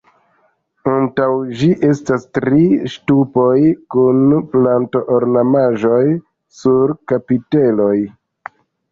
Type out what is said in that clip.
Antaŭ ĝi estas tri ŝtupoj kun planto-ornamaĵoj sur kapiteloj.